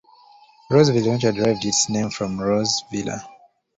Roseville eventually derived its name from "Rose Villa".